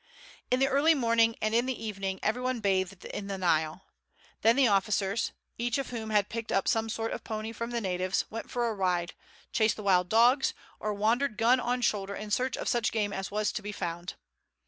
In the early morning and in the evening every one bathed in the Nile. Then the officers, each of whom had picked up some sort of pony from the natives, went for a ride, chased the wild dogs, or wandered gun on shoulder in search of such game as was to be found.